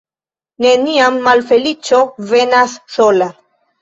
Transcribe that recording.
Neniam malfeliĉo venas sola.